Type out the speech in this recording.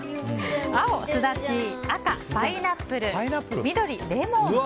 青、スダチ赤、パイナップル緑、レモン。